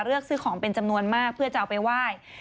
เลือกซื้อของเป็นจำนวนมากเพื่อจะเอาไปไหว้